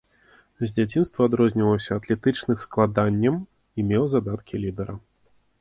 З дзяцінства адрозніваўся атлетычных складаннем і меў задаткі лідара.